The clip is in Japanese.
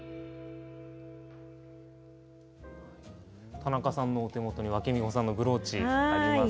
田中さんのお手元にわけみほさんのブローチがあります。